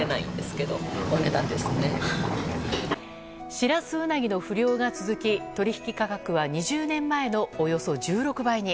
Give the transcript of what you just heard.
シラスウナギの不漁が続き取引価格は２０年前のおよそ１６倍に。